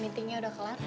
meetingnya udah kelar